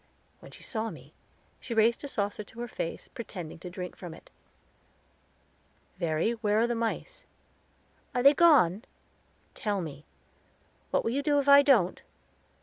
When she saw me, she raised a saucer to her face, pretending to drink from it. "Verry, where are the mice?" "Are they gone?" "Tell me." "What will you do if I don't?"